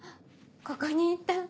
ここにいた。